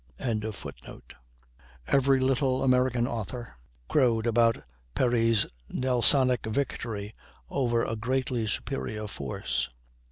] Every little American author crowed over Perry's "Nelsonic victory over a greatly superior force."